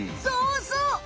そうそう！